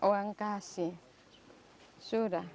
uang dikasih sudah